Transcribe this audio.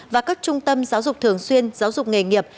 và các trung tâm giáo dục thường xuyên giáo dục nghề nghiệp